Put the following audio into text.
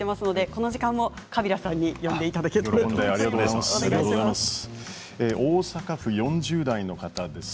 この時間もカビラさんに読んでいただきたいと思います。